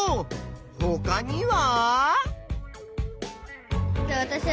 ほかには？